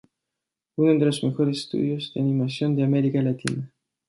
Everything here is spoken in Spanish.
Uno de los mejores estudios de animación de America Latina.